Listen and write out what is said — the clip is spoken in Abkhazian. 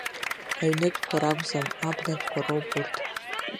Аҩнытәқәа ракәӡам, абнатәқәа роуп урҭ.